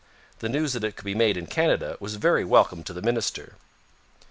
The news that it could be made in Canada was very welcome to the minister.